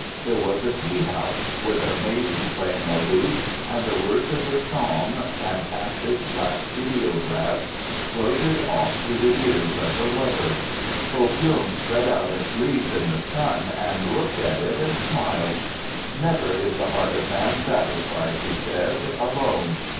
There was a tea house, with a maiden playing a lute, and the words of the song, fantastic black ideographs, floated off to the ears of her lover. Foh Kyung spread out its leaves in the sun, and looked at it and smiled." "Never is the heart of man satisfied," he said, "alone.